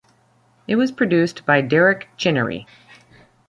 It was produced by Derek Chinnery.